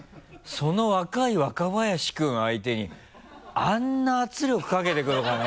その若い若林君相手にあんな圧力かけて来るかね。